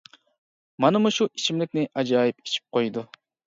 مانا مۇشۇ ئىچىملىكنى ئاجايىپ ئىچىپ قويىدۇ.